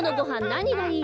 なにがいい？